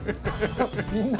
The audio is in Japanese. みんな。